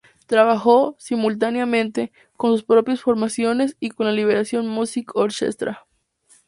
Trabajó, simultáneamente, con sus propias formaciones y con la Liberation Music Orchestra.